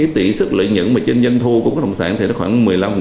tỷ suất lợi nhuận trên doanh thu của bất động sản khoảng một mươi năm